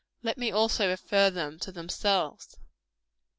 Let me also refer them to themselves.